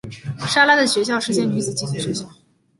莎拉的学校是间女子寄宿学校。